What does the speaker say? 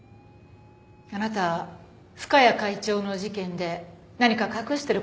あなた深谷会長の事件で何か隠してる事はない？